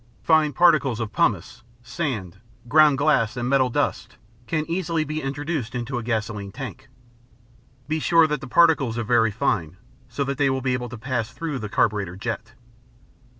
Fine particles of pumice, sand, ground glass, and metal dust can easily be introduced into a gasoline tank. Be sure that the particles are very fine, so that they will be able to pass through the carburetor jet.